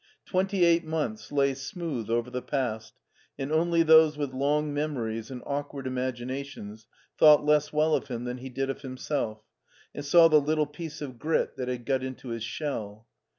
Twenty eight months lay smooth over the past, and only those with long memories and awkward imagina tions thought less well of him than he did of himself, and saw the little piece of grit that had got into his shell.